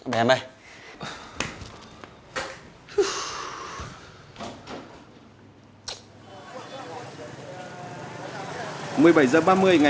để em ơi